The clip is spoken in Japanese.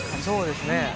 「そうですね」